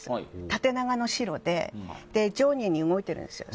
縦長の白で上下に動いているんですよ。